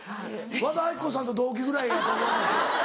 和田アキ子さんと同期ぐらいやと思いますよ。